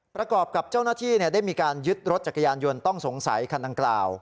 ประกอบจากเจ้าหน้าที่ได้ยึดรถจักรยานยนต้องสงสัยคณะกล่าว